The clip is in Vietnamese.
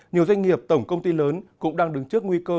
nhiều doanh nghiệp tổng công ty lớn cũng đang đứng trước nguy cơ